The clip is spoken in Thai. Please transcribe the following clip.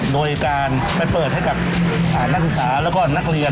โดยการไปเปิดให้กับนักศึกษาแล้วก็นักเรียน